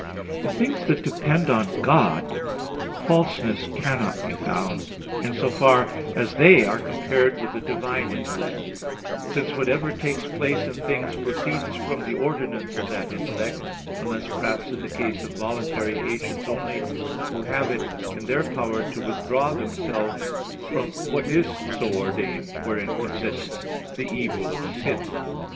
In things that depend on God, falseness cannot be found, in so far as they are compared with the divine intellect; since whatever takes place in things proceeds from the ordinance of that intellect, unless perhaps in the case of voluntary agents only, who have it in their power to withdraw themselves from what is so ordained; wherein consists the evil of sin.